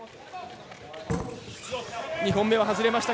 ２本目は外れました。